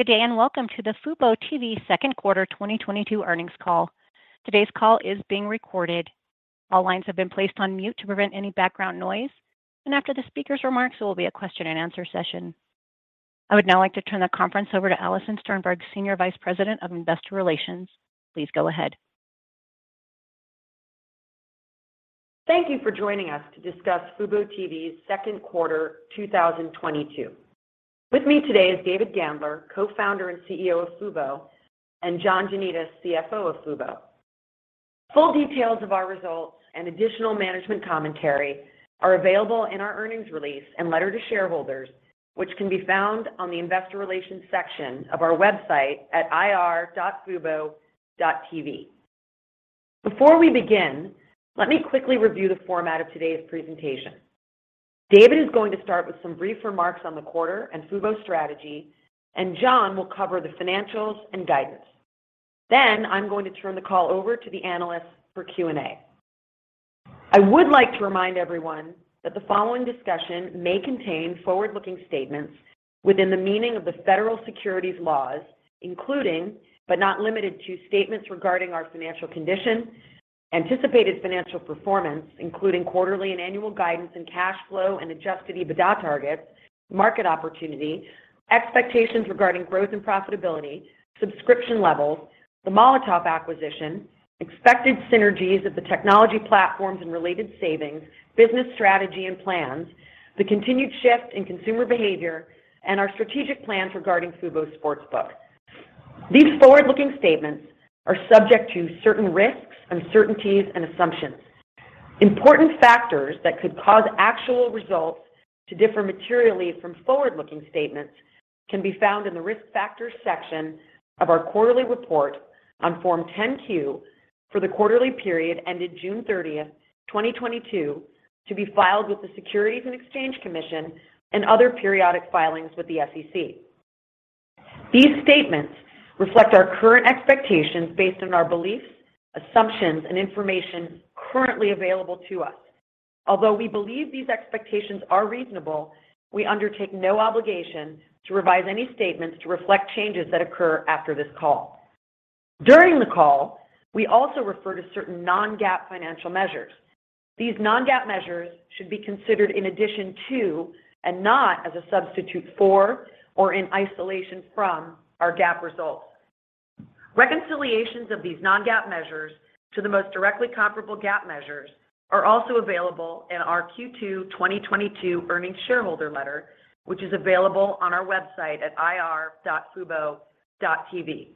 Good day, and welcome to the fuboTV Q2 2022 Earnings Call. Today's call is being recorded. All lines have been placed on mute to prevent any background noise, and after the speaker's remarks, there will be a question and answer session. I would now like to turn the conference over to Alison Sternberg, Senior Vice President of Investor Relations. Please go ahead. Thank you for joining us to discuss fuboTV's Q2 2022. With me today is David Gandler, Co-founder and CEO of Fubo, and John Janedis, CFO of Fubo. Full details of our results and additional management commentary are available in our earnings release and letter to shareholders, which can be found on the investor relations section of our website at ir.fubo.tv. Before we begin, let me quickly review the format of today's presentation. David is going to Start with some brief remarks on the quarter and Fubo's strategy, and John will cover the financials and guidance. I'm going to turn the call over to the analysts for Q&A.I would like to remind everyone that the following discussion may contain forward-looking statements within the meaning of the federal securities laws, including, but not limited to, statements regarding our financial condition, anticipated financial performance, including quarterly and annual guidance and cash flow and adjusted EBITDA targets, market opportunity, expectations regarding growth and profitability, subscription levels, the Molotov acquisition, expected synergies of the technology platforms and related savings, business strategy and plans, the continued shift in consumer behavior, and our strategic plans regarding Fubo Sportsbook. These forward-looking statements are subject to certain risks, uncertainties, and assumptions. Important factors that could cause actual results to differ materially from forward-looking statements can be found in the Risk Factors section of our quarterly report on Form 10-Q for the quarterly period ended June 30, 2022, to be filed with the Securities and Exchange Commission and other periodic filings with the SEC. These statements reflect our current expectations based on our beliefs, assumptions, and information currently available to us. Although we believe these expectations are reasonable, we undertake no obligation to revise any statements to reflect changes that occur after this call. During the call, we also refer to certain non-GAAP financial measures. These non-GAAP measures should be considered in addition to, and not as a substitute for, or in isolation from, our GAAP results. Reconciliations of these non-GAAP measures to the most directly comparable GAAP measures are also available in our Q2 2022 earnings shareholder letter, which is available on our website at ir.fubo.tv.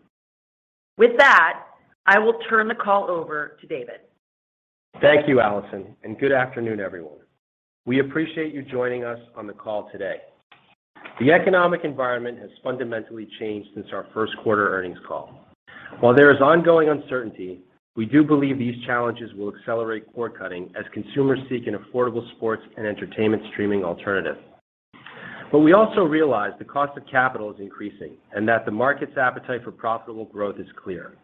With that, I will turn the call over to David. Thank you, Alison, and good afternoon, everyone. We appreciate you joining us on the call today. The economic environment has fundamentally changed since our first quarter earnings call. While there is ongoing uncertainty, we do believe these challenges will accelerate cord-cutting as consumers seek an affordable sports and entertainment streaming alternative. We also realize the cost of capital is increasing and that the market's appetite for profitable growth is clear.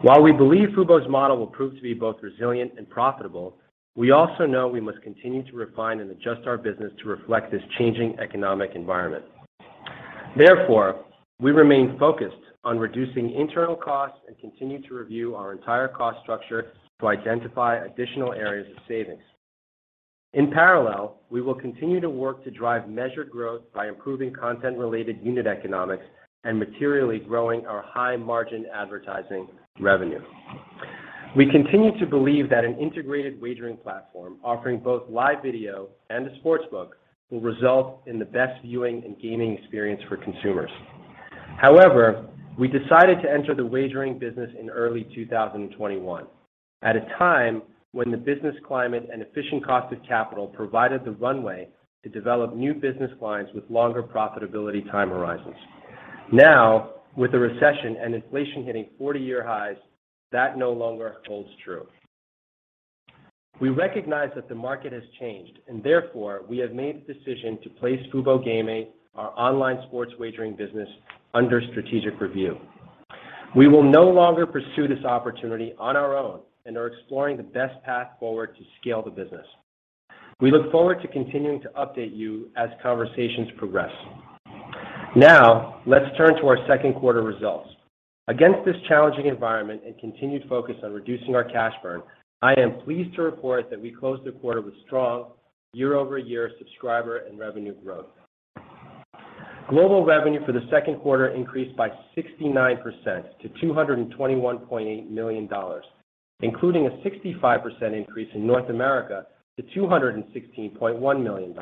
While we believe Fubo's model will prove to be both resilient and profitable, we also know we must continue to refine and adjust our business to reflect this changing economic environment. Therefore, we remain focused on reducing internal costs and continue to review our entire cost structure to identify additional areas of savings. In parallel, we will continue to work to drive measured growth by improving content-related unit economics and materially growing our high-margin advertising revenue. We continue to believe that an integrated wagering platform offering both live video and a sportsbook will result in the best viewing and gaming experience for consumers. However, we decided to enter the wagering business in early 2021, at a time when the business climate and efficient cost of capital provided the runway to develop new business lines with longer profitability time horizons. Now, with the recession and inflation hitting 40-year highs, that no longer holds true. We recognize that the market has changed, and therefore, we have made the decision to place Fubo Gaming, our online sports wagering business, under strategic review. We will no longer pursue this opportunity on our own and are exploring the best path forward to scale the business. We look forward to continuing to update you as conversations progress. Now, let's turn to our Q2 results. Against this challenging environment and continued focus on reducing our cash burn, I am pleased to report that we closed the quarter with strong year-over-year subscriber and revenue growth. Global revenue for the Q2 increased by 69% to $221.8 million, including a 65% increase in North America to $216.1 million.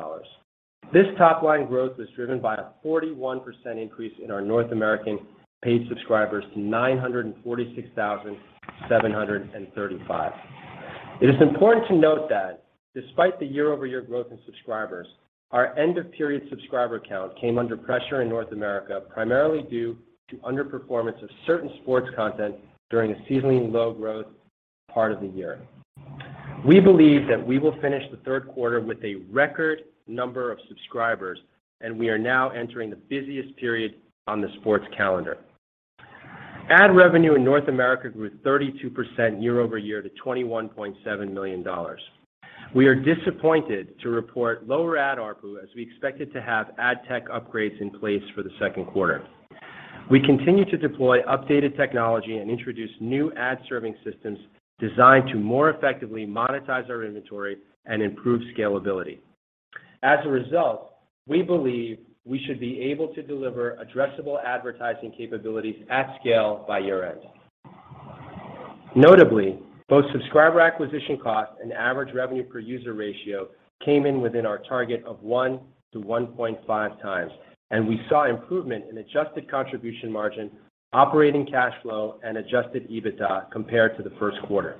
This top-line growth was driven by a 41% increase in our North American paid subscribers to 946,735. It is important to note that despite the year-over-year growth in subscribers, our end-of-period subscriber count came under pressure in North America, primarily due to underperformance of certain sports content during a seasonally low growth part of the year. We believe that we will finish the 3/4 with a record number of subscribers, and we are now entering the busiest period on the sports calendar. Ad revenue in North America grew 32% year-over-year to $21.7 million. We are disappointed to report lower ad ARPU as we expected to have ad tech upgrades in place for the Q2. We continue to deploy updated technology and introduce new ad-serving systems designed to more effectively monetize our inventory and improve scalability. As a result, we believe we should be able to deliver addressable advertising capabilities at scale by year-end. Notably, both subscriber acquisition costs and average revenue per user ratio came in within our target of 1 to 1.5 times, and we saw improvement in adjusted contribution margin, operating cash flow, and adjusted EBITDA compared to the first quarter.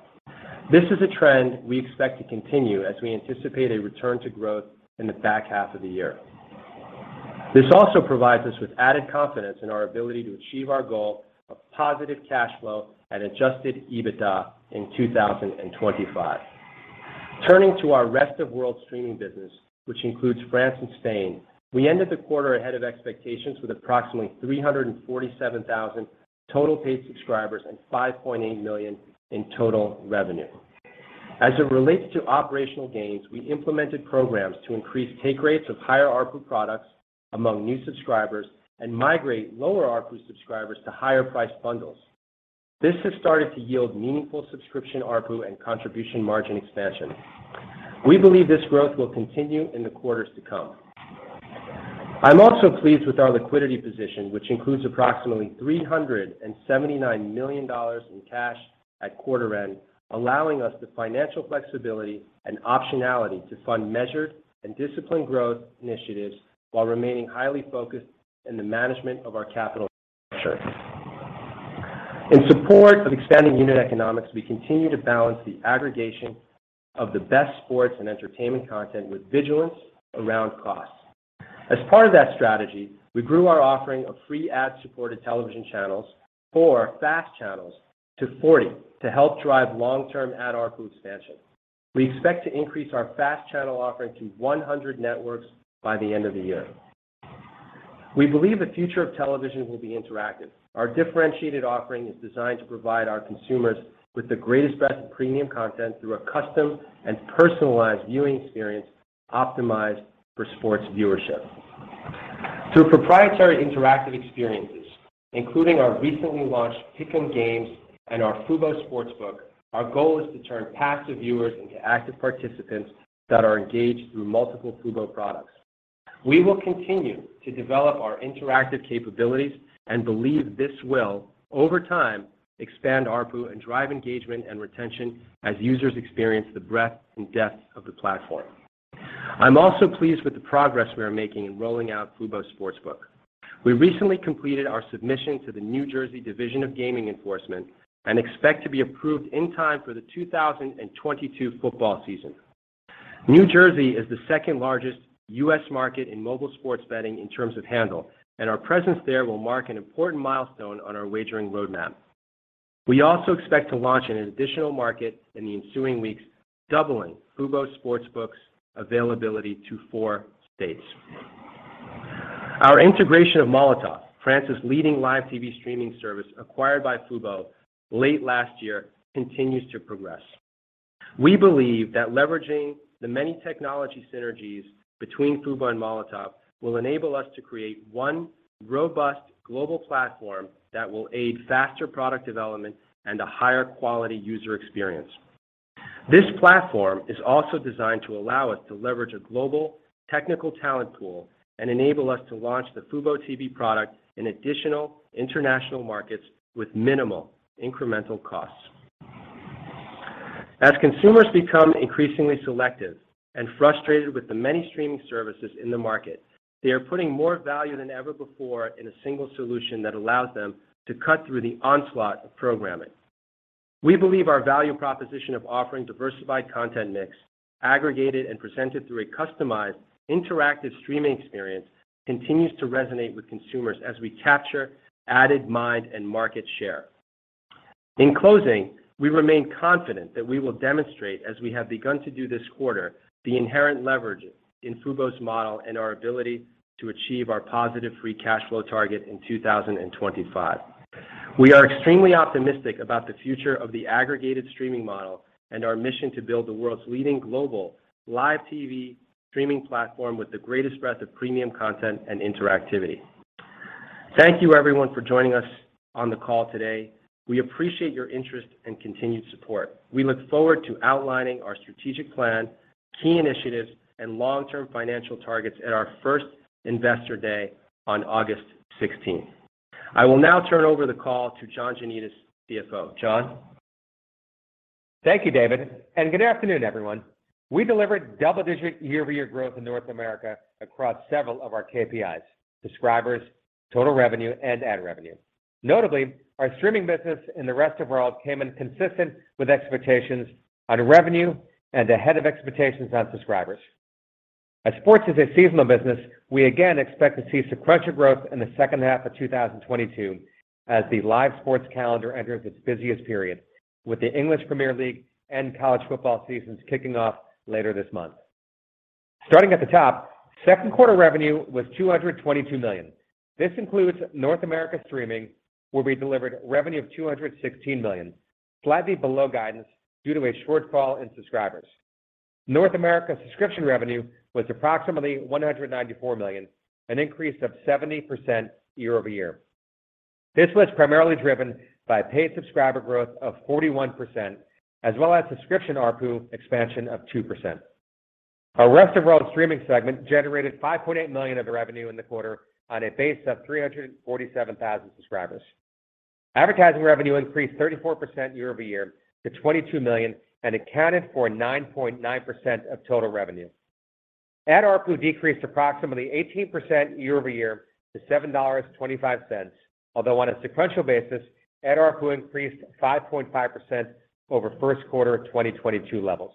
This is a trend we expect to continue as we anticipate a return to growth in the back half of the year. This also provides us with added confidence in our ability to achieve our goal of positive cash flow and adjusted EBITDA in 2025. Turning to our rest of world streaming business, which includes France and Spain, we ended the quarter ahead of expectations with approximately 347,000 total paid subscribers and $5.8 million in total revenue. As it relates to operational gains, we implemented programs to increase take rates of higher ARPU products among new subscribers and migrate lower ARPU subscribers to higher price bundles. This has Started to yield meaningful subscription ARPU and contribution margin expansion. We believe this growth will continue in the quarters to come. I'm also pleased with our liquidity position, which includes approximately $379 million in cash at quarter end, allowing us the financial flexibility and optionality to fund measured and disciplined growth initiatives while remaining highly focused in the management of our capital structure. In support of expanding unit economics, we continue to balance the aggregation of the best sports and entertainment content with vigilance around costs. As part of that strategy, we grew our offering of free ad-supported television channels or FAST channels to 40 to help drive long-term ad ARPU expansion. We expect to increase our FAST channel offering to 100 networks by the end of the year. We believe the future of television will be interactive. Our differentiated offering is designed to provide our consumers with the greatest breadth of premium content through a custom and personalized viewing experience optimized for sports viewership. Through proprietary interactive experiences, including our recently launched Pick'em games and our Fubo Sportsbook, our goal is to turn passive viewers into active participants that are engaged through multiple Fubo products. We will continue to develop our interactive capabilities and believe this will, over time, expand ARPU and drive engagement and retention as users experience the breadth and depth of the platform. I'm also pleased with the progress we are making in rolling out Fubo Sportsbook. We recently completed our submission to the New Jersey Division of Gaming Enforcement and expect to be approved in time for the 2022 football season. New Jersey is the second-largest U.S. market in mobile sports betting in terms of handle, and our presence there will mark an important milestone on our wagering roadmap. We also expect to launch in an additional market in the ensuing weeks, doubling Fubo Sportsbook's availability to four states. Our integration of Molotov, France's leading live TV streaming service acquired by Fubo late last year, continues to progress. We believe that leveraging the many technology synergies between Fubo and Molotov will enable us to create one robust global platform that will aid faster product development and a higher quality user experience. This platform is also designed to allow us to leverage a global technical talent pool and enable us to launch the FuboTV product in additional international markets with minimal incremental costs. As consumers become increasingly selective and frustrated with the many streaming services in the market, they are putting more value than ever before in a single solution that allows them to cut through the onslaught of programming. We believe our value proposition of offering diversified content mix, aggregated and presented through a customized interactive streaming experience, continues to resonate with consumers as we capture added mind and market share. In closing, we remain confident that we will demonstrate, as we have begun to do this quarter, the inherent leverage in Fubo's model and our ability to achieve our positive free cash flow target in 2025. We are extremely optimistic about the future of the aggregated streaming model and our mission to build the world's leading global live TV streaming platform with the greatest breadth of premium content and interactivity. Thank you, everyone, for joining us on the call today. We appreciate your interest and continued support. We look forward to outlining our strategic plan, key initiatives, and long-term financial targets at our first Investor Day on August 16. I will now turn over the call to John Janedis, CFO. John? Thank you, David, and good afternoon, everyone. We delivered double-digit year-over-year growth in North America across several of our KPIs, subscribers, total revenue, and ad revenue. Notably, our streaming business in the rest of world came in consistent with expectations on revenue and ahead of expectations on subscribers. As sports is a seasonal business, we again expect to see sequential growth in the second half of 2022 as the live sports calendar enters its busiest period, with the English Premier League and college football seasons kicking off later this month. Starting at the top, Q2 revenue was $222 million. This includes North America streaming, where we delivered revenue of $216 million, slightly below guidance due to a shortfall in subscribers. North America subscription revenue was approximately $194 million, an increase of 70% year-over-year. This was primarily driven by paid subscriber growth of 41% as well as subscription ARPU expansion of 2%. Our rest of world streaming segment generated $5.8 million of revenue in the quarter on a base of 347,000 subscribers. Advertising revenue increased 34% year-over-year to $22 million, and accounted for 9.9% of total revenue. Ad ARPU decreased approximately 18% year-over-year to $7.25. Although on a sequential basis, ad ARPU increased 5.5% over first quarter of 2022 levels.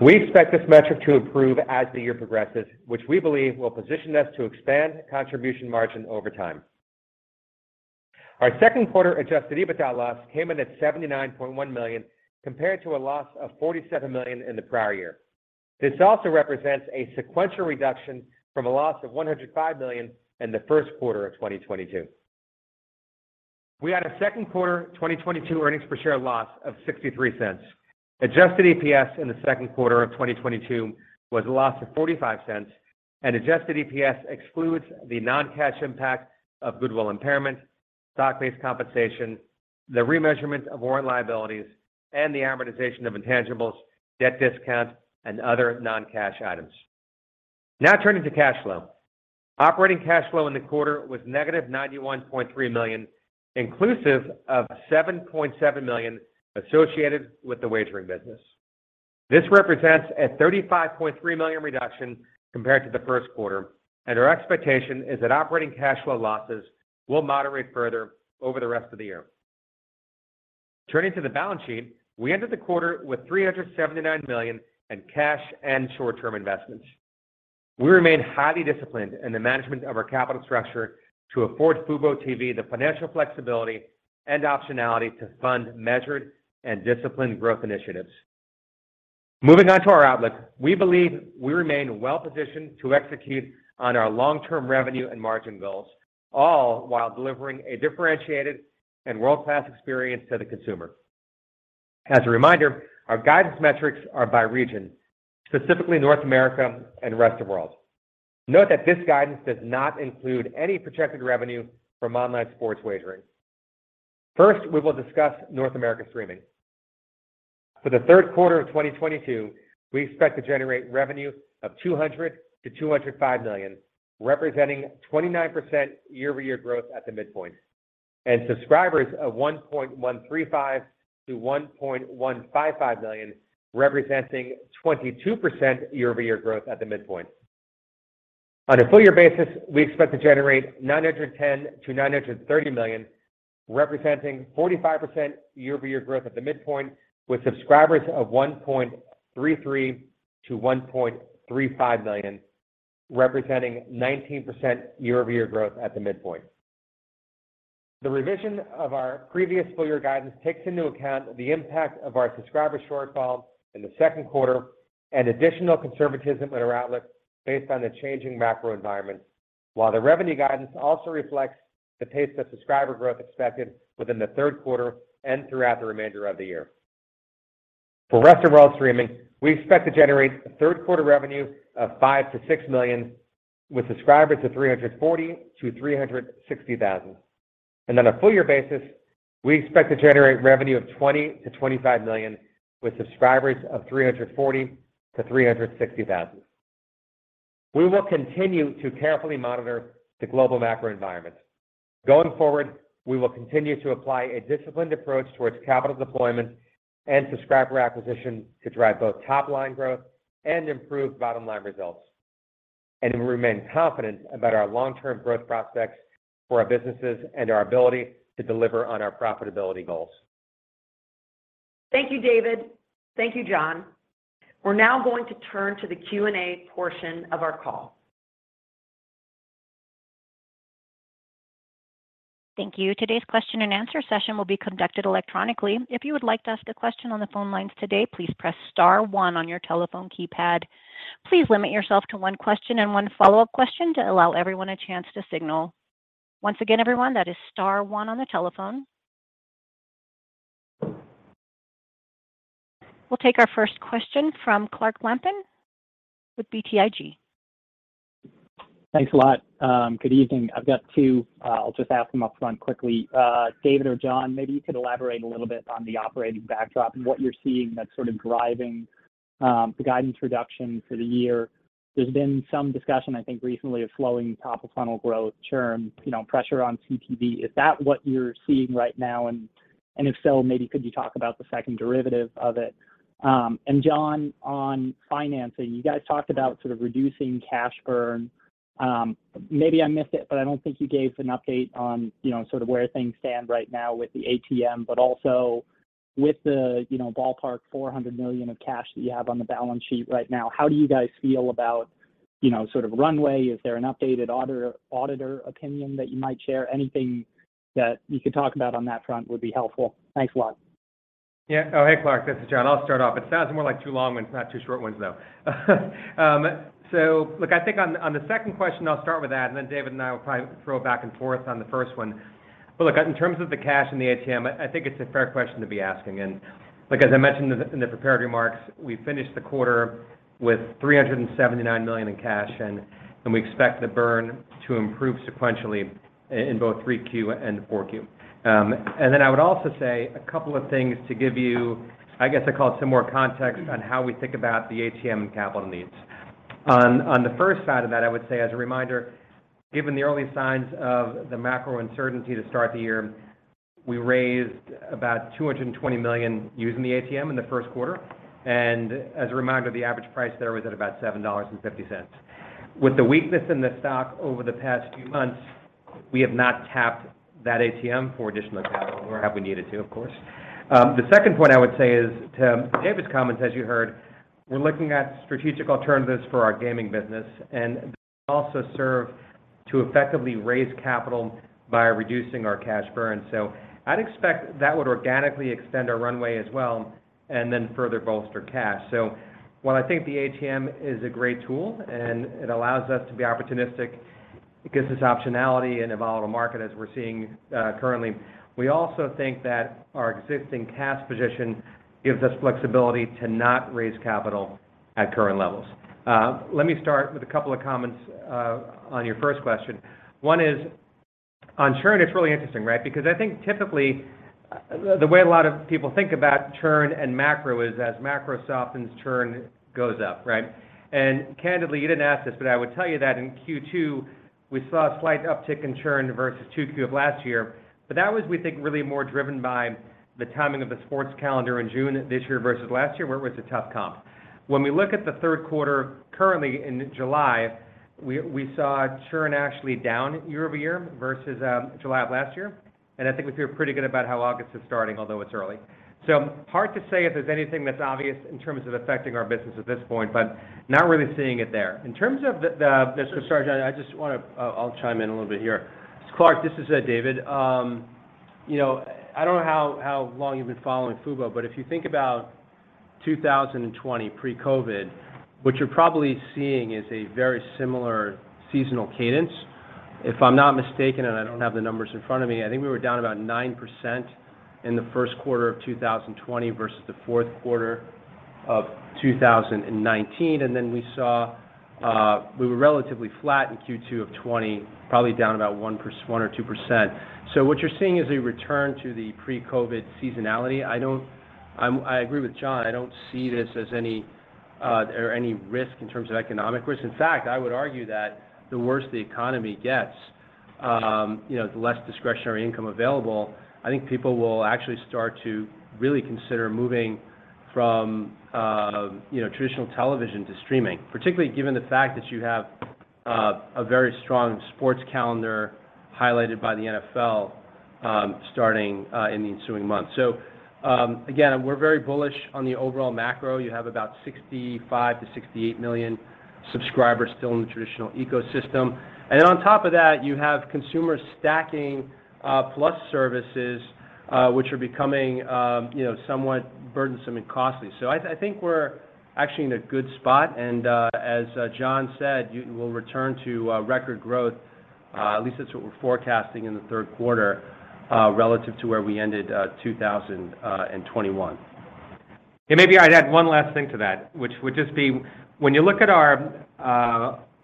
We expect this metric to improve as the year progresses, which we believe will position us to expand contribution margin over time. Our Q2 adjusted EBITDA loss came in at $79.1 million, compared to a loss of $47 million in the prior year. This also represents a sequential reduction from a loss of $105 million in the first quarter of 2022. We had a Q2 2022 earnings per share loss of $0.63. Adjusted EPS in the Q2 of 2022 was a loss of $0.45, and adjusted EPS excludes the non-cash impact of goodwill impairment, stock-based compensation, the remeasurement of warrant liabilities, and the amortization of intangibles, debt discounts, and other non-cash items. Now turning to cash flow. Operating cash flow in the quarter was negative $91.3 million, inclusive of $7.7 million associated with the wagering business. This represents a $35.3 million reduction compared to the first quarter, and our expectation is that operating cash flow losses will moderate further over the rest of the year. Turning to the balance sheet, we ended the quarter with $379 million in cash and short-term investments. We remain highly disciplined in the management of our capital structure to afford fuboTV the financial flexibility and optionality to fund measured and disciplined growth initiatives. Moving on to our outlook. We believe we remain well positioned to execute on our long-term revenue and margin goals, all while delivering a differentiated and world-class experience to the consumer. As a reminder, our guidance metrics are by region, specifically North America and Rest of World. Note that this guidance does not include any projected revenue from online sports wagering. First, we will discuss North America streaming. For the 3/4 of 2022, we expect to generate revenue of $200 million-$205 million, representing 29% year-over-year growth at the midpoint. Subscribers of 1.135to1.155 million, representing 22% year-over-year growth at the midpoint. On a full year basis, we expect to generate $910 million-$930 million, representing 45% year-over-year growth at the midpoint, with subscribers of 1.33to1.35 million, representing 19% year-over-year growth at the midpoint. The revision of our previous full year guidance takes into account the impact of our subscriber shortfall in the Q2 and additional conservatism in our outlook based on the changing macro environment, while the revenue guidance also reflects the pace of subscriber growth expected within the 3/4 and throughout the remainder of the year. For rest of world streaming, we expect to generate 3/4 revenue of $5-6 million, with subscribers of 340to360 thousand. On a full year basis, we expect to generate revenue of $20 to25 million, with subscribers of 340to360 thousand. We will continue to carefully monitor the global macro environment. Going forward, we will continue to apply a disciplined approach towards capital deployment and subscriber acquisition to drive both top line growth and improve bottom line results. We remain confident about our long-term growth prospects for our businesses and our ability to deliver on our profitability goals. Thank you, David. Thank you, John. We're now going to turn to the Q&A portion of our call. Thank you. Today's question and answer session will be conducted electronically. If you would like to ask a question on the phone lines today, please press Star one on your telephone keypad. Please limit yourself to one question and one follow-up question to allow everyone a chance to signal. Once again, everyone, that is Star one on the telephone. We'll take our first question from Clark Lampen with BTIG. Thanks a lot. Good evening. I've got two. I'll just ask them upfront quickly. David or John, maybe you could elaborate a little bit on the operating backdrop and what you're seeing that's sort of driving the guidance reduction for the year. There's been some discussion, I think, recently of slowing top-of-funnel growth churn, you know, pressure on CTV. Is that what you're seeing right now? And if so, maybe could you talk about the second derivative of it? And John, on financing, you guys talked about sort of reducing cash burn. Maybe I missed it, but I don't think you gave an update on, you know, sort of where things stand right now with the ATM, but also with the, you know, ballpark $400 million of cash that you have on the balance sheet right now. How do you guys feel about, you know, sort of runway? Is there an updated auditor opinion that you might share? Anything that you could talk about on that front would be helpful. Thanks a lot. Yeah. Oh, hey, Clark, this is John. I'll Start off. It sounds more like two long ones, not two short ones, though. So look, I think on the second question, I'll Start with that, and then David and I will probably throw back and forth on the first one. Look, in terms of the cash and the ATM, I think it's a fair question to be asking. Look, as I mentioned in the prepared remarks, we finished the quarter with $379 million in cash, and we expect the burn to improve sequentially in both 3Q and 4Q. Then I would also say a couple of things to give you, I guess, I call it some more context on how we think about the ATM and capital needs. On the first side of that, I would say as a reminder, given the early signs of the macro uncertainty to Start the year, we raised about $220 million using the ATM in the first quarter. As a reminder, the average price there was at about $7.50. With the weakness in the stock over the past few months, we have not tapped that ATM for additional capital, nor have we needed to, of course. The second point I would say is to David's comments, as you heard, we're looking at strategic alternatives for our gaming business, and they also serve to effectively raise capital by reducing our cash burn. I'd expect that would organically extend our runway as well, and then further bolster cash. While I think the ATM is a great tool and it allows us to be opportunistic, it gives us optionality in a volatile market as we're seeing currently. We also think that our existing cash position gives us flexibility to not raise capital at current levels. Let me Start with a couple of comments on your first question. One is on churn. It's really interesting, right? Because I think typically the way a lot of people think about churn and macro is as macro softens, churn goes up, right? Candidly, you didn't ask this, but I would tell you that in Q2, we saw a slight uptick in churn versus 2Q of last year. That was, we think, really more driven by the timing of the sports calendar in June this year versus last year, where it was a tough comp. When we look at the 3/4 currently in July, we saw churn actually down year-over-year versus July of last year. I think we feel pretty good about how August is Starting, although it's early. Hard to say if there's anything that's obvious in terms of affecting our business at this point, but not really seeing it there. In terms of the. Sorry, John, I just wanna. I'll chime in a little bit here. Clark, this is David. You know, I don't know how long you've been following Fubo, but if you think about 2020 pre-COVID, what you're probably seeing is a very similar seasonal cadence. If I'm not mistaken, and I don't have the numbers in front of me, I think we were down about 9% in the first quarter of 2020 versus the fourth quarter of 2019. We saw we were relatively flat in Q2 of 2020, probably down about 1 or 2%. What you're seeing is a return to the pre-COVID seasonality. I agree with John. I don't see this as any or any risk in terms of economic risk. In fact, I would argue that the worse the economy gets, you know, the less discretionary income available, I think people will actually Start to really consider moving from, you know, traditional television to streaming, particularly given the fact that you have a very strong sports calendar highlighted by the NFL Starting in the ensuing months. Again, we're very bullish on the overall macro. You have about 65-68 million subscribers still in the traditional ecosystem. On top of that, you have consumers stacking plus services which are becoming, you know, somewhat burdensome and costly. I think we're actually in a good spot. As John said, you will return to record growth, at least that's what we're forecasting in the 3/4, relative to where we ended 2021. Maybe I'd add one last thing to that, which would just be when you look at our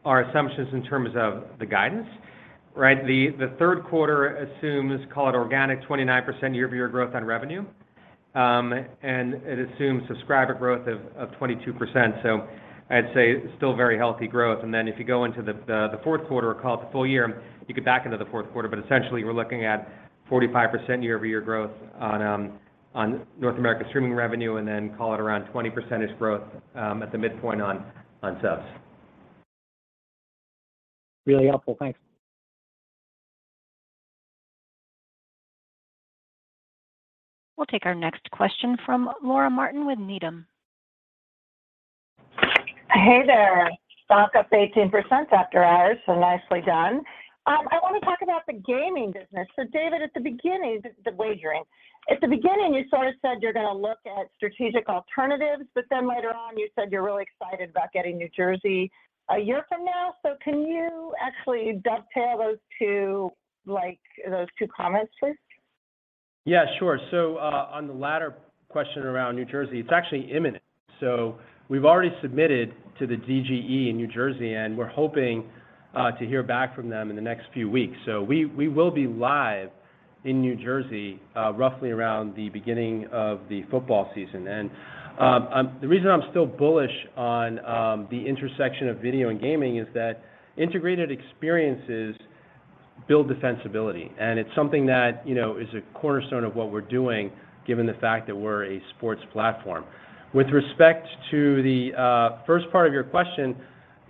assumptions in terms of the guidance, right? The 3/4 assumes, call it organic, 29% year-over-year growth on revenue, and it assumes subscriber growth of 22%. I'd say still very healthy growth. If you go into the fourth quarter, call it the full year, you get back into the fourth quarter. Essentially, we're looking at 45% year-over-year growth on North America streaming revenue, and then call it around 20% growth at the midpoint on subs. Really helpful. Thanks. We'll take our next question from Laura Martin with Needham. Hey there. Stock up 18% after hours, so nicely done. I wanna talk about the gaming business. David, at the beginning, you sort of said you're gonna look at strategic alternatives, but then later on you said you're really excited about getting New Jersey a year from now. Can you actually dovetail those two, like, those two comments, please? Yeah, sure. On the latter question around New Jersey, it's actually imminent. We've already submitted to the DGE in New Jersey, and we're hoping to hear back from them in the next few weeks. We will be live in New Jersey roughly around the beginning of the football season. The reason I'm still bullish on the intersection of video and gaming is that integrated experiences build defensibility, and it's something that, you know, is a cornerstone of what we're doing given the fact that we're a sports platform. With respect to the first part of your question,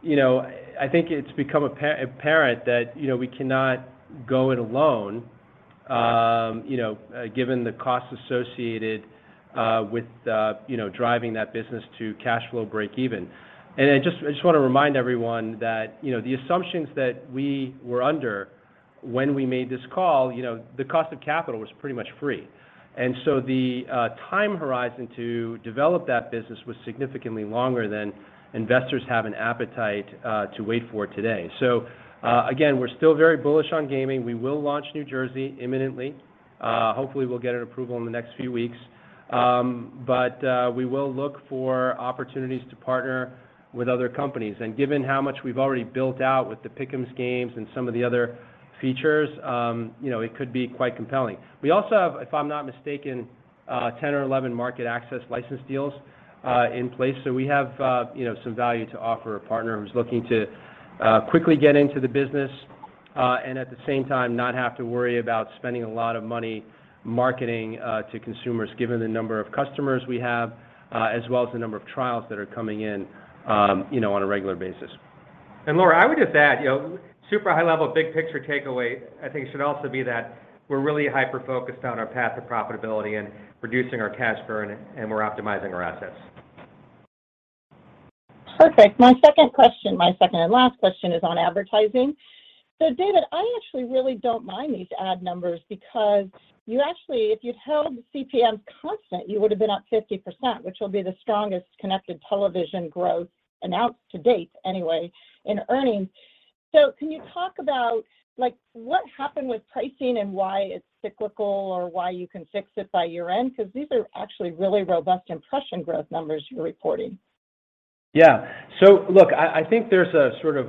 you know, I think it's become apparent that, you know, we cannot go it alone, you know, given the costs associated with, you know, driving that business to cash flow break even. I just wanna remind everyone that, you know, the assumptions that we were under when we made this call, you know, the cost of capital was pretty much free. The time horizon to develop that business was significantly longer than investors have an appetite to wait for today. We're still very bullish on gaming. We will launch New Jersey imminently. Hopefully we'll get an approval in the next few weeks. We will look for opportunities to partner with other companies. Given how much we've already built out with the Pick'em games and some of the other features, you know, it could be quite compelling. We also have, if I'm not mistaken, 10 or 11 market access license deals in place. We have, you know, some value to offer a partner who's looking to quickly get into the business, and at the same time not have to worry about spending a lot of money marketing to consumers, given the number of customers we have, as well as the number of trials that are coming in, you know, on a regular basis. Laura, I would just add, you know, super high level, big picture takeaway I think should also be that we're really hyper-focused on our path to profitability and reducing our cash burn, and we're optimizing our assets. Perfect. My second question, my second and last question is on advertising. David, I actually really don't mind these ad numbers because you actually, if you'd held the CPMs constant, you would have been up 50%, which will be the strongest connected television growth announced to date anyway in earnings. Can you talk about, like, what happened with pricing and why it's cyclical or why you can fix it by year-end? Because these are actually really robust impression growth numbers you're reporting. Yeah. Look, I think there's a sort of,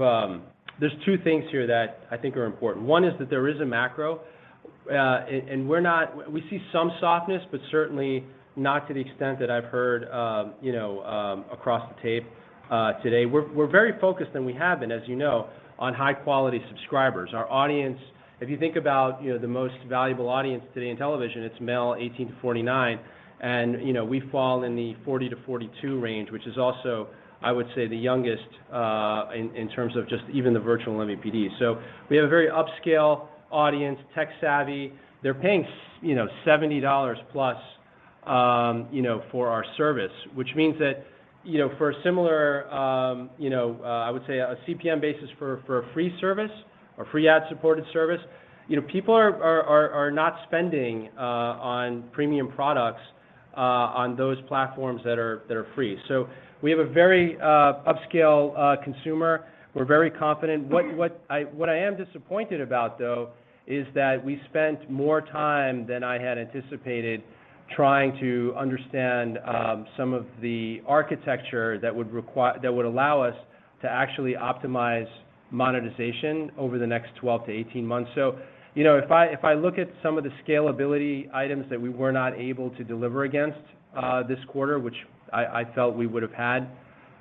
there's two things here that I think are important. One is that there is a macro, and we see some softness, but certainly not to the extent that I've heard, you know, across the tape, today. We're very focused, and we have been, as you know, on high-quality subscribers. Our audience, if you think about, you know, the most valuable audience today in television, it's male 18-49, and, you know, we fall in the 40 t-42 range, which is also, I would say, the youngest, in terms of just even the virtual MVPD. We have a very upscale audience, tech-savvy. They're paying $70 plus for our service, which means that for a similar I would say a CPM basis for a free service or free ad-supported service, people are not spending on premium products on those platforms that are free. We have a very upscale consumer. We're very confident. What I am disappointed about, though, is that we spent more time than I had anticipated trying to understand some of the architecture that would allow us to actually optimize monetization over the next 12to18 months. You know, if I look at some of the scalability items that we were not able to deliver against this quarter, which I felt we would have had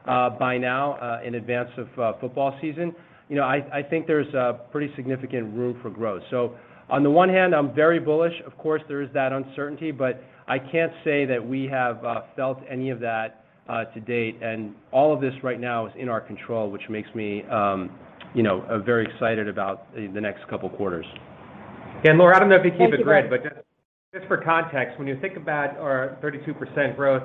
by now in advance of football season, you know, I think there's pretty significant room for growth. On the one hand, I'm very bullish. Of course, there is that uncertainty, but I can't say that we have felt any of that to date. All of this right now is in our control, which makes me, you know, very excited about the next couple quarters. Laura, I don't know if you keep a grid. Thank you, guys. Just for context, when you think about our 32% growth,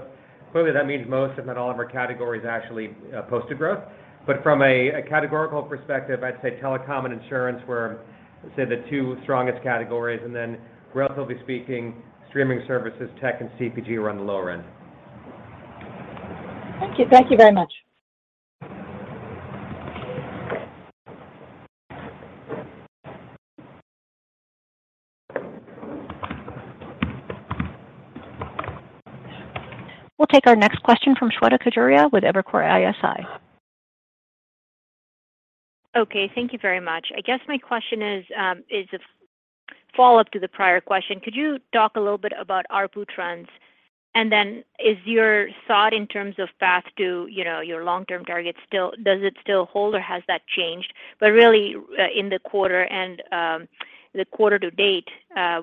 clearly that means most, if not all, of our categories actually posted growth. From a categorical perspective, I'd say telecom and insurance were the two strongest categories. Relatively speaking, streaming services, tech, and CPG were on the lower end. Thank you. Thank you very much. We'll take our next question from Shweta Khajuria with Evercore ISI. Okay. Thank you very much. I guess my question is a follow-up to the prior question. Could you talk a little bit about ARPU trends? And then is your thought in terms of path to, you know, your long-term target still, does it still hold, or has that changed? But really, in the quarter and the quarter to date,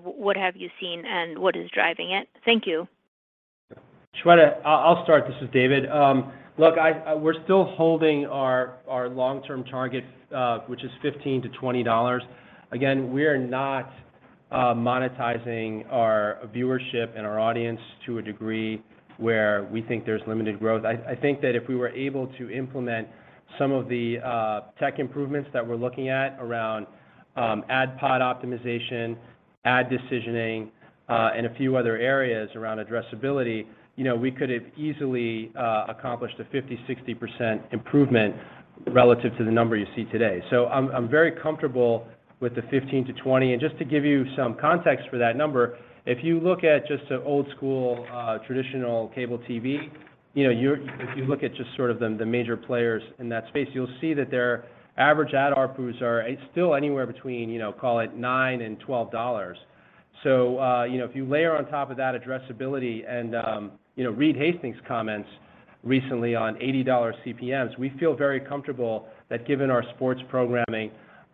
what have you seen and what is driving it? Thank you. Shweta, I'll Start. This is David. Look, we're still holding our long-term target, which is $15 - $20. Again, we are not monetizing our viewership and our audience to a degree where we think there's limited growth. I think that if we were able to implement some of the tech improvements that we're looking at around ad pod optimization, ad decisioning, and a few other areas around addressability, you know, we could have easily accomplished a 50% - 60% improvement relative to the number you see today. I'm very comfortable with the $15 t- $20. Just to give you some context for that number, if you look at just an old school traditional cable TV, you know, if you look at just sort of the major players in that space, you'll see that their average ad ARPUs are still anywhere between, you know, call it $9 -$12. So, you know, if you layer on top of that addressability and, you know, Reed Hastings' comments recently on $80 CPMs, we feel very comfortable that given our sports programming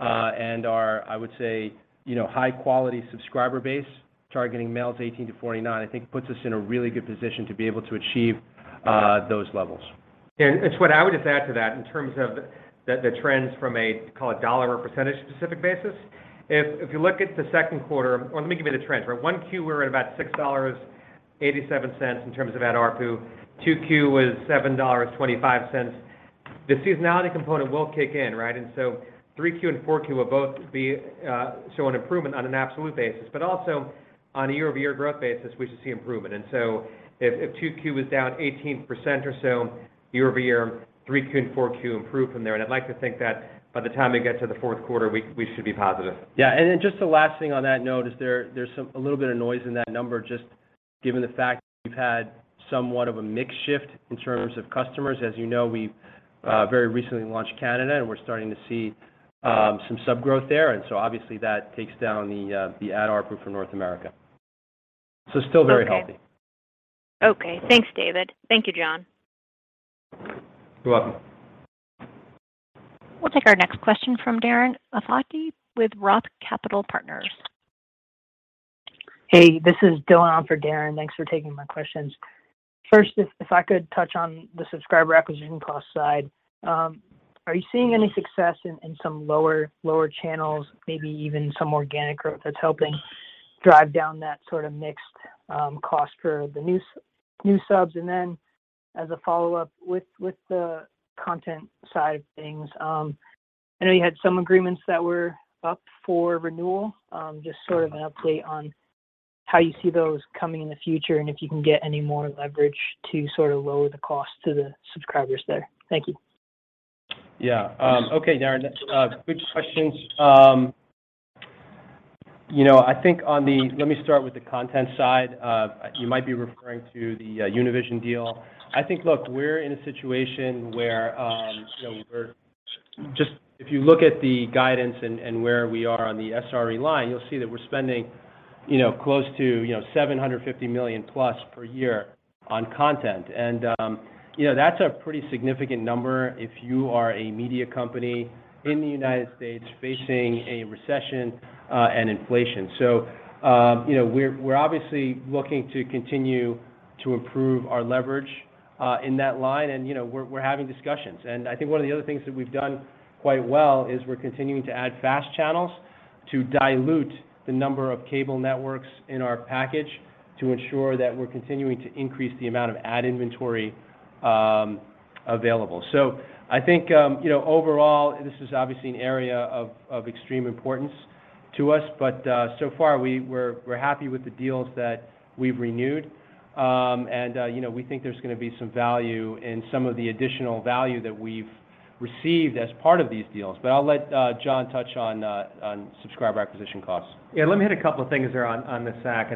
and our, I would say, you know, high-quality subscriber base, targeting males 18 to 49, I think puts us in a really good position to be able to achieve those levels. Shweta, I would just add to that in terms of the trends from a, call it, dollar or percentage specific basis. If you look at the Q2. Well, let me give you the trends, right? 1Q, we're at about $6.87 in terms of ad ARPU. 2Q was $7.25. The seasonality component will kick in, right? 3Q and 4Q will both show an improvement on an absolute basis, but also on a year-over-year growth basis, we should see improvement. If 2Q is down 18% or so year-over-year, 3Q and 4Q improve from there. I'd like to think that by the time we get to the fourth quarter, we should be positive. Yeah. Then just the last thing on that note is there's a little bit of noise in that number, just given the fact that we've had somewhat of a mix shift in terms of customers. As you know, we've very recently launched Canada, and we're Starting to see some sub growth there. Obviously that takes down the ad ARPU for North America. Still very healthy. Okay. Okay. Thanks, David. Thank you, John. You're welcome. We'll take our next question from Darren Aftahi with Roth Capital Partners. Hey, this is Dylan on for Darren. Thanks for taking my questions. First, if I could touch on the subscriber acquisition cost side. Are you seeing any success in some lower channels, maybe even some organic growth that's helping drive down that sort of mixed cost for the new subs? As a follow-up with the content side of things, I know you had some agreements that were up for renewal. Just sort of an update on how you see those coming in the future and if you can get any more leverage to sort of lower the cost to the subscribers there. Thank you. Yeah. Okay, Darren, good questions. You know, I think on the... Let me Start with the content side. You might be referring to the Univision deal. I think, look, we're in a situation where you know, we're just, if you look at the guidance and where we are on the SRE line, you'll see that we're spending you know, close to you know, $750 million plus per year on content. You know, that's a pretty significant number if you are a media company in the United States facing a recession and inflation. You know, we're obviously looking to continue to improve our leverage in that line and you know, we're having discussions. I think one of the other things that we've done quite well is we're continuing to add FAST channels to dilute the number of cable networks in our package to ensure that we're continuing to increase the amount of ad inventory available. I think you know overall this is obviously an area of extreme importance to us, but so far we're happy with the deals that we've renewed. You know we think there's gonna be some value in some of the additional value that we've received as part of these deals. I'll let John touch on subscriber acquisition costs. Yeah, let me hit a couple of things there on the SAC.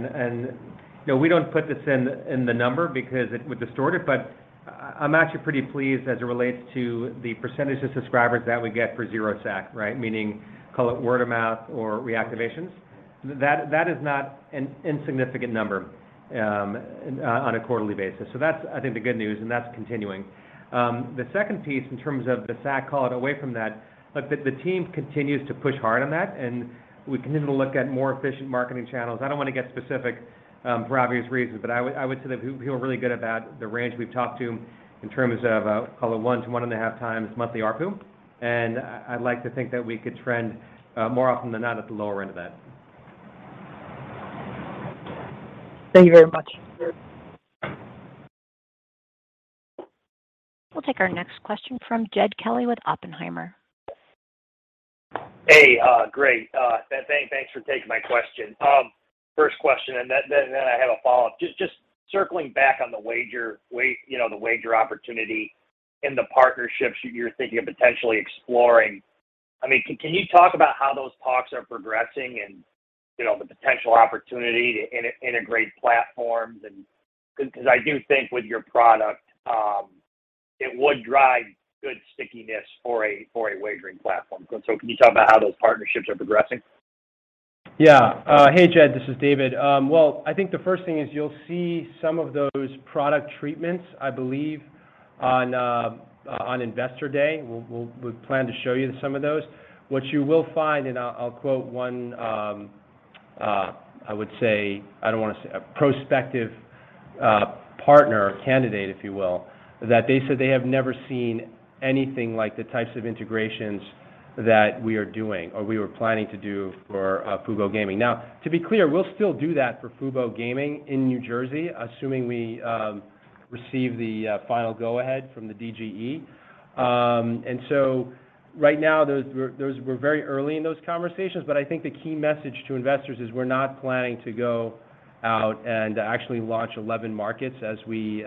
You know, we don't put this in the number because it would distort it, but I'm actually pretty pleased as it relates to the percentage of subscribers that we get for zero SAC, right? Meaning, call it word of mouth or reactivations. That is not an insignificant number on a quarterly basis. That's, I think, the good news, and that's continuing. The second piece in terms of the SAC, call it away from that. Look, the team continues to push hard on that, and we continue to look at more efficient marketing channels. I don't wanna get specific, for obvious reasons, but I would say that we feel really good about the range we've talked to in terms of call it 1 to 1.5 times monthly ARPU. I'd like to think that we could trend more often than not at the lower end of that. Thank you very much. We'll take our next question from Jed Kelly with Oppenheimer. Hey, great. Thanks for taking my question. First question and then I have a follow-up. Just circling back on the wager opportunity and the partnerships you're thinking of potentially exploring. I mean, can you talk about how those talks are progressing and, you know, the potential opportunity to integrate platforms? Cause I do think with your product, it would drive good stickiness for a wagering platform. So can you talk about how those partnerships are progressing? Yeah. Hey, Jed, this is David. Well, I think the first thing is you'll see some of those product treatments, I believe, on Investor Day. We plan to show you some of those. What you will find, and I'll quote one, I would say, I don't wanna say a prospective partner or candidate, if you will, that they said they have never seen anything like the types of integrations that we are doing or we were planning to do for Fubo Gaming. To be clear, we'll still do that for Fubo Gaming in New Jersey, assuming we receive the final go-ahead from the DGE. Right now, we're very early in those conversations, but I think the key message to investors is we're not planning to go out and actually launch 11 markets as we, you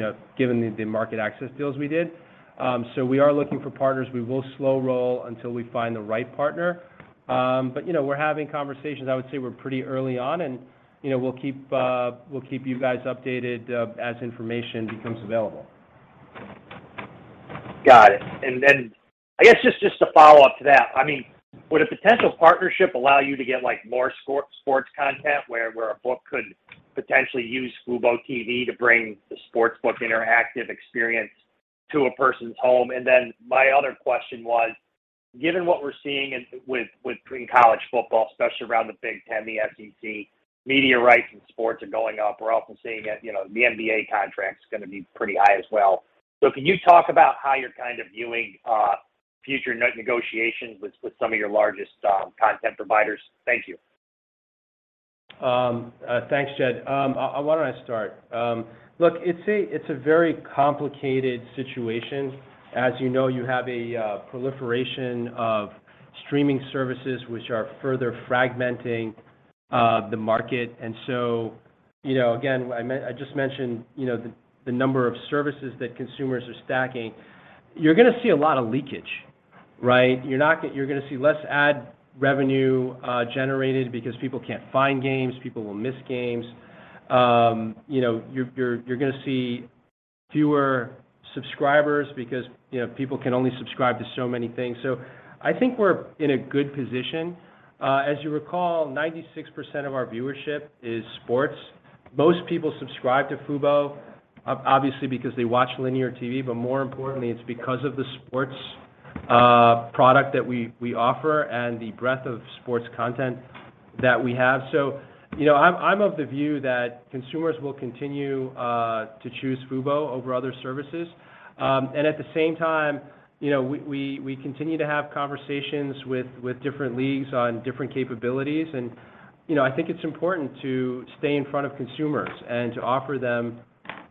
know, given the market access deals we did. We are looking for partners. We will slow roll until we find the right partner. You know, we're having conversations. I would say we're pretty early on and, you know, we'll keep you guys updated as information becomes available. Got it. Then I guess just to follow up to that. I mean, would a potential partnership allow you to get, like, more sports content where the book could potentially use FuboTV to bring the sportsbook interactive experience to a person's home? My other question was, given what we're seeing with college football, especially around the Big Ten, the SEC, media rights and sports are going up. We're also seeing it, you know, the NBA contract is gonna be pretty high as well. Can you talk about how you're kind of viewing future negotiations with some of your largest content providers? Thank you. Thanks Jed. Why don't I Start? Look, it's a very complicated situation. As you know, you have a proliferation of streaming services which are further fragmenting the market. You know, again, I just mentioned, you know, the number of services that consumers are stacking. You're gonna see a lot of leakage, right? You're gonna see less ad revenue generated because people can't find games, people will miss games. You know, you're gonna see fewer subscribers because, you know, people can only subscribe to so many things. I think we're in a good position. As you recall, 96% of our viewership is sports. Most people subscribe to Fubo, obviously because they watch linear TV, but more importantly, it's because of the sports product that we offer and the breadth of sports content that we have. You know, I'm of the view that consumers will continue to choose Fubo over other services. At the same time, you know, we continue to have conversations with different leagues on different capabilities and, you know, I think it's important to stay in front of consumers and to offer them,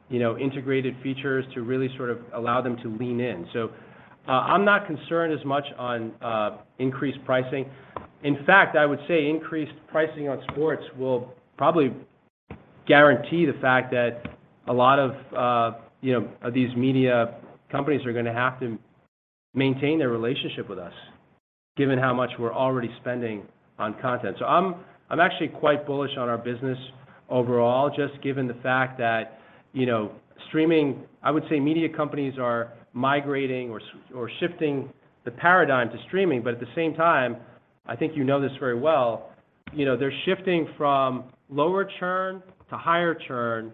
you know, integrated features to really sort of allow them to lean in. I'm not concerned as much on increased pricing. In fact, I would say increased pricing on sports will probably guarantee the fact that a lot of, you know, these media companies are gonna have to maintain their relationship with us given how much we're already spending on content. I'm actually quite bullish on our business overall, just given the fact that, you know, streaming. I would say media companies are migrating or shifting the paradigm to streaming, but at the same time, I think you know this very well, you know, they're shifting from lower churn to higher churn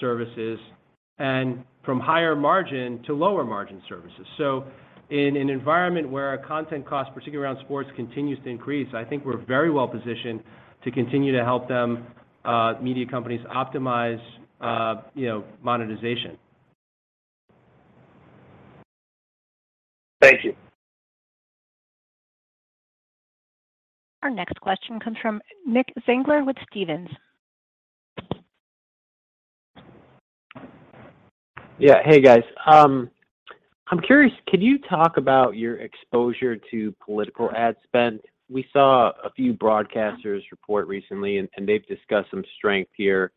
services and from higher margin to lower margin services. In an environment where our content cost, particularly around sports, continues to increase, I think we're very well positioned to continue to help them, media companies optimize, you know, monetization. Thank you. Our next question comes from Nick Zangler with Stephens. Yeah. Hey, guys. I'm curious, can you talk about your exposure to political ad spend? We saw a few broadcasters report recently, and they've discussed some strength here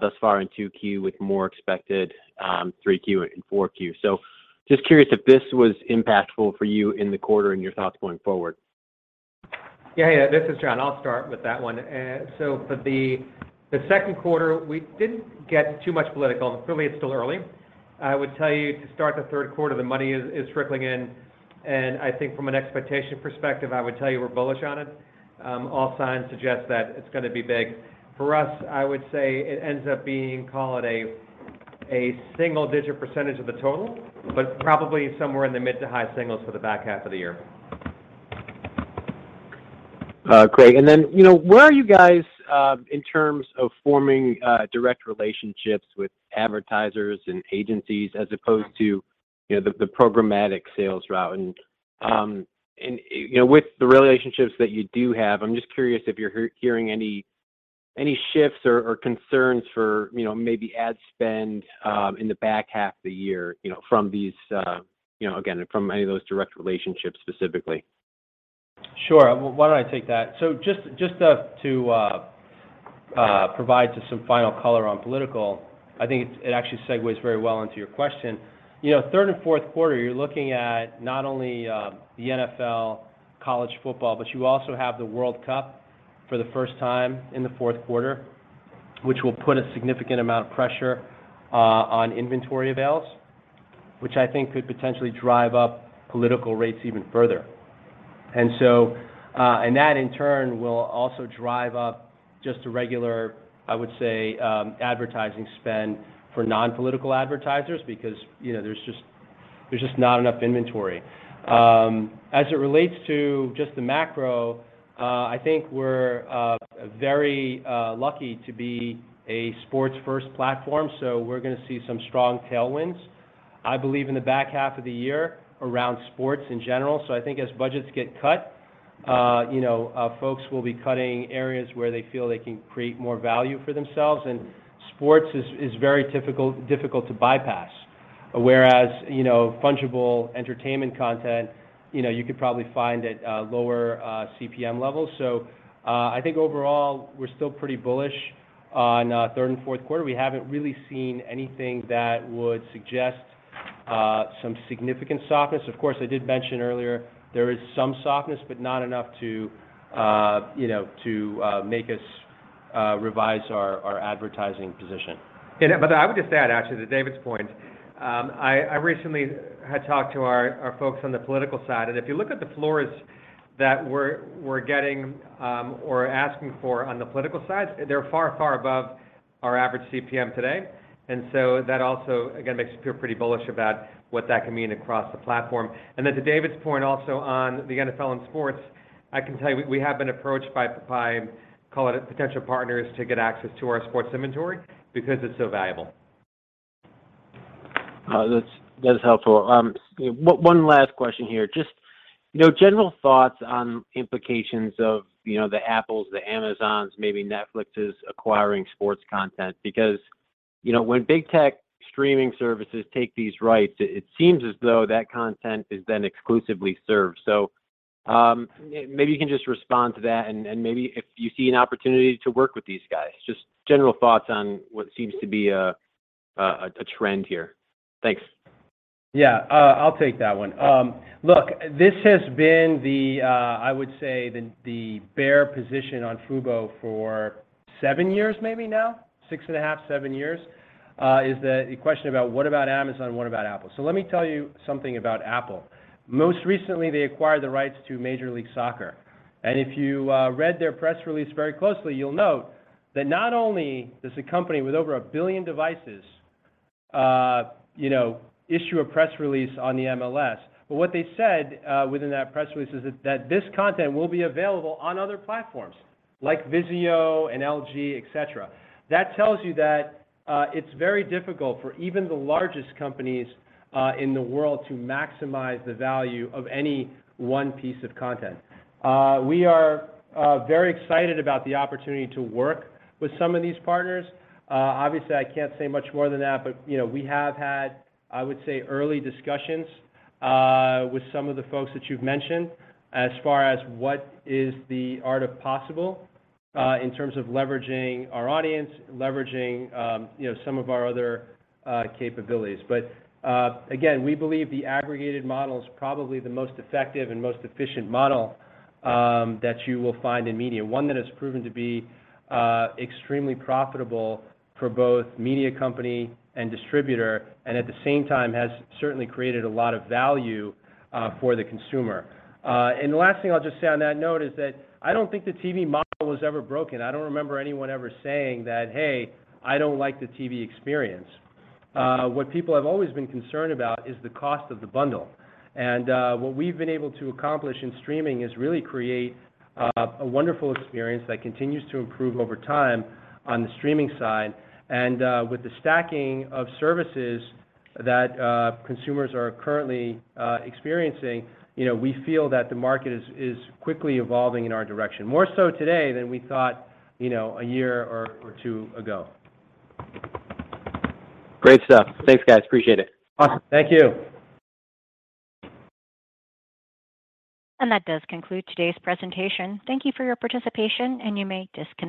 thus far in 2Q with more expected 3Q and 4Q. Just curious if this was impactful for you in the quarter and your thoughts going forward. Yeah. This is John. I'll Start with that one. So for the Q2, we didn't get too much political. Clearly, it's still early. I would tell you to Start the 3/4, the money is trickling in, and I think from an expectation perspective, I would tell you we're bullish on it. All signs suggest that it's gonna be big. For us, I would say it ends up being, call it a single digit percentage of the total, but probably somewhere in the mid to high singles for the back half of the year. Great. Where are you guys in terms of forming direct relationships with advertisers and agencies as opposed to you know, the programmatic sales route? With the relationships that you do have, I'm just curious if you're hearing any shifts or concerns for you know, maybe ad spend in the back half of the year, you know, from these again, from any of those direct relationships specifically? Sure. Why don't I take that? Just to provide some final color on political, I think it actually segues very well into your question. You know, third and fourth quarter, you're looking at not only the NFL, college football, but you also have the World Cup for the first time in the fourth quarter, which will put a significant amount of pressure on inventory avails, which I think could potentially drive up political rates even further. That in turn will also drive up just a regular, I would say, advertising spend for non-political advertisers because, you know, there's just not enough inventory. As it relates to just the macro, I think we're very lucky to be a sports first platform, so we're gonna see some strong tailwinds, I believe, in the back half of the year around sports in general. I think as budgets get cut, you know, folks will be cutting areas where they feel they can create more value for themselves, and sports is very difficult to bypass. Whereas, you know, fungible entertainment content, you know, you could probably find at lower CPM levels. I think overall we're still pretty bullish on third and fourth quarter. We haven't really seen anything that would suggest some significant softness. Of course, I did mention earlier there is some softness, but not enough to, you know, to make us revise our advertising position. I would just add actually to David's point, I recently had talked to our folks on the political side, and if you look at the floors that we're getting or asking for on the political side, they're far above our average CPM today. To David's point, also on the NFL and sports, I can tell you we have been approached by call it potential partners to get access to our sports inventory because it's so valuable. That's helpful. One last question here. Just you know general thoughts on implications of you know the Apple the Amazon maybe Netflix acquiring sports content, because you know when big tech streaming services take these rights, it seems as though that content is then exclusively served. Maybe you can just respond to that and maybe if you see an opportunity to work with these guys. Just general thoughts on what seems to be a trend here. Thanks. Yeah. I'll take that one. Look, this has been the I would say the bear position on Fubo for 7 years, maybe now, 6.5, 7 years, is a question about what about Amazon and what about Apple? Let me tell you something about Apple. Most recently, they acquired the rights to Major League Soccer, and if you read their press release very closely, you'll note that not only does a company with over 1 billion devices you know issue a press release on the MLS, but what they said within that press release is that this content will be available on other platforms like Vizio and LG, et cetera. That tells you that it's very difficult for even the largest companies in the world to maximize the value of any one piece of content. We are very excited about the opportunity to work with some of these partners. Obviously I can't say much more than that, but you know, we have had, I would say, early discussions with some of the folks that you've mentioned as far as what is the art of possible in terms of leveraging our audience, leveraging, you know, some of our other capabilities. Again, we believe the aggregated model is probably the most effective and most efficient model that you will find in media. One that has proven to be extremely profitable for both media company and distributor, and at the same time has certainly created a lot of value for the consumer. The last thing I'll just say on that note is that I don't think the TV model was ever broken. I don't remember anyone ever saying that, "Hey, I don't like the TV experience." What people have always been concerned about is the cost of the bundle. What we've been able to accomplish in streaming is really create a wonderful experience that continues to improve over time on the streaming side. With the stacking of services that consumers are currently experiencing, you know, we feel that the market is quickly evolving in our direction. More so today than we thought, you know, a year or two ago. Great stuff. Thanks, guys. Appreciate it. Awesome. Thank you. That does conclude today's presentation. Thank you for your participation, and you may disconnect.